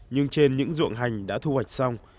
nhưng trên những ruộng hành đã thu hoạch xong